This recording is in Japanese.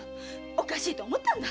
おかしいと思ったんだ。